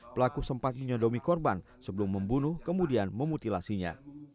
pelaku sempat menyodomi korban sebelum membunuh kemudian memutilasinya